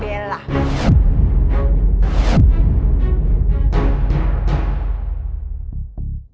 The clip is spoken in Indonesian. pertama kali aku melihatnya